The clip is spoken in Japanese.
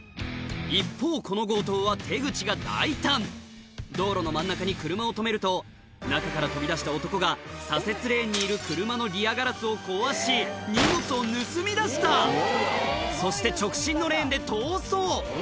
一方この強盗は手口が大胆道路の真ん中に車を止めると中から飛び出した男が左折レーンにいる車のリアガラスを壊し荷物を盗み出したそして直進のレーンで逃走！